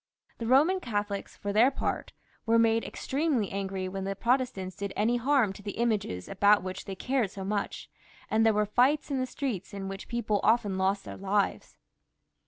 The Boman Catholics, for their part, were made extremely angry when the Protestaiits did any harm to the images about which they cared so much, and there were fights in the streets in which people often lost their lives.